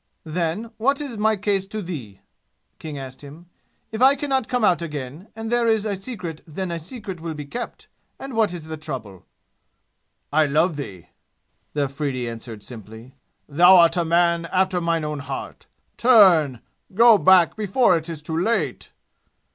"Then, what is my case to thee?" King asked him "If I can not come out again and there is a secret then the secret will be kept, and what is the trouble?" "I love thee," the Afridi answered simply. "Thou art a man after mine own heart. Turn! Go back before it is too late!"